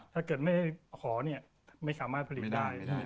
ถ้าเกิดไม่ขอไม่สามารถผลิตได้